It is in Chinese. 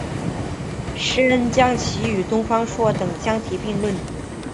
时人将其与东方朔等相提并比。